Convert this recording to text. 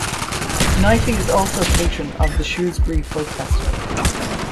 Knightley is also patron of the Shrewsbury Folk Festival.